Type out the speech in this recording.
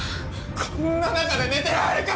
こんな中で寝てられるか！